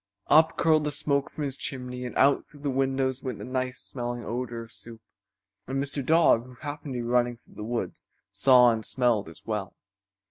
Up curled the smoke from his chimney and out through the windows went the nice smelling odor of soup, and Mr. Dog, who happened to be running through the woods, saw and smelled as well.